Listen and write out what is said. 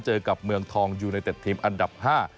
เจอกับเมืองทองยูไนเต็ดทีมอันดับ๕